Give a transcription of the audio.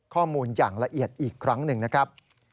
ข้อมูลอย่างละเอียดอีกครั้งหนึ่งนะครับ